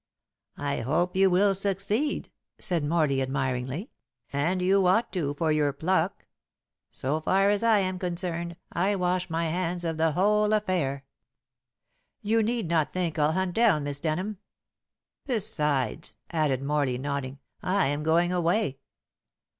"I hope you will succeed," said Morley admiringly, "and you ought to for your pluck. So far as I am concerned, I wash my hands of the whole affair. You need not think I'll hunt down Miss Denham. Besides," added Morley, nodding, "I am going away."